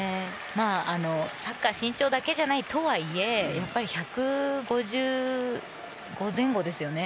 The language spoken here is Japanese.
サッカーは身長だけじゃないとはいえやっぱり１５５前後ですよね